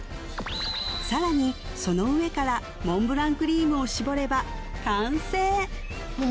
さらにその上からモンブランクリームをしぼれば完成！